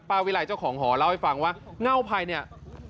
ป้าวิไหล่เจ้าของหอเล่าให้ฟังว่าเง้อไผ่เนี้ย